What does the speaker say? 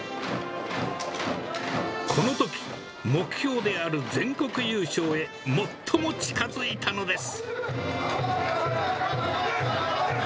このとき、目標である全国優勝へ、最も近づいたのです。